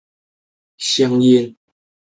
韦斯利人口变化图示